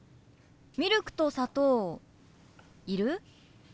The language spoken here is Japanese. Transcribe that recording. ミルクと砂糖いる？